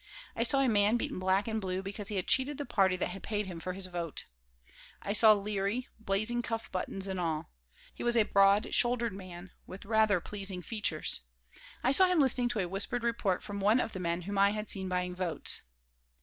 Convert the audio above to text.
I saw a man beaten black and blue because he had cheated the party that had paid him for his vote. I saw Leary, blazing cuff buttons and all. He was a broad shouldered man with rather pleasing features. I saw him listening to a whispered report from one of the men whom I had seen buying votes.